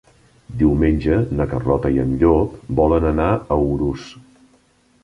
Diumenge na Carlota i en Llop volen anar a Urús.